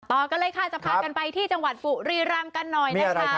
ต่อกันเลยค่ะจะพากันไปที่จังหวัดบุรีรำกันหน่อยนะคะ